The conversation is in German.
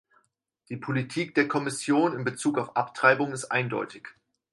Die Politik der Kommission in Bezug auf Abtreibungen ist eindeutig.